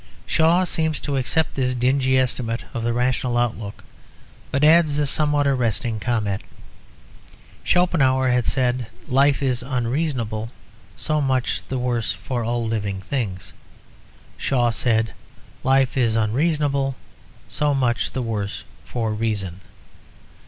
Shaw seems to accept this dingy estimate of the rational outlook, but adds a somewhat arresting comment. Schopenhauer had said, "Life is unreasonable; so much the worse for all living things." Shaw said, "Life is unreasonable; so much the worse for reason."